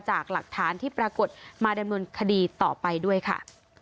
จากหลักฐานที่ปรากฏมาดำเนินคดีต่อไปด้วยค่ะ